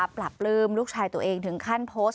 ปรับปลื้มลูกชายตัวเองถึงขั้นโพสต์